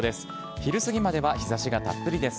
昼過ぎまでは日ざしがたっぷりです。